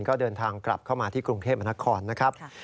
ก็เดินทางกลับเข้ามาที่กรุงเทพมนครนะครับ